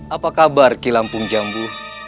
apa kabar kilampung jambu